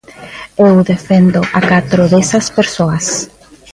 Eu defendo a catro desas persoas.